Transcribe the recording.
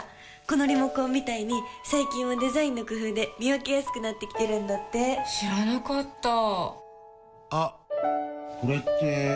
このリモコンみたいに最近はデザインの工夫で見分けやすくなってきてるんだって知らなかったあっ、これって・・・